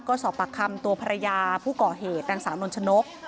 ก็สอบปากคำตัวภรรยาผู้ก่อเหตุนางสาวนนชนก